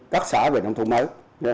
các xã về nông thôn mới